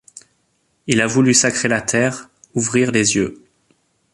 Il a voulu sacrer la terre, ouvrir les yeux